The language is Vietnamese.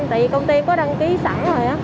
tại vì công ty em có đăng ký sẵn rồi